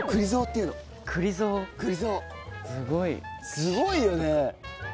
すごいよね。